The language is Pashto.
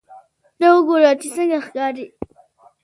ته وګوره چې څنګه ښکاري